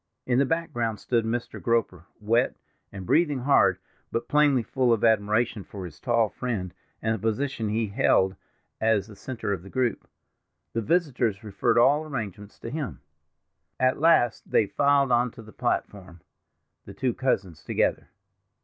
In the background stood Mr. Groper, wet, and breathing hard, but plainly full of admiration for his tall friend, and the position he held as the center of the group. The visitors referred all arrangements to him. At last they filed on to the platform—the two cousins together.